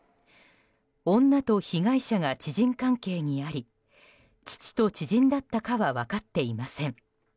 女と被害者が知人関係にあり父と知人だったかは分かっていません。